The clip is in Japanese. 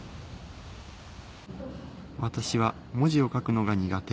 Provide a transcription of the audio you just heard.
私は文字を書くのが苦手